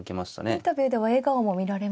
インタビューでは笑顔も見られましたね。